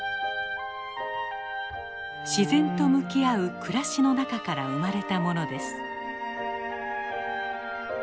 自然と向き合う暮らしの中から生まれたものです。